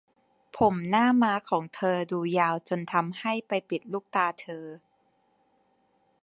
ผมหน้าม้าของเธอดูยาวจนทำให้ไปปิดลูกตาเธอ